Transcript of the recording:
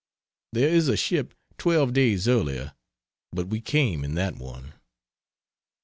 There is a ship 12 days earlier (but we came in that one.)